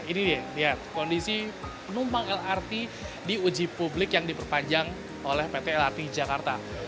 ini dia lihat kondisi penumpang lrt di uji publik yang diperpanjang oleh pt lrt jakarta